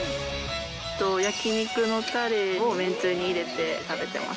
焼き肉のたれをめんつゆに入れて食べてます。